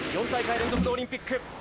４大会連続のオリンピック。